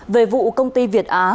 về vụ công ty việt á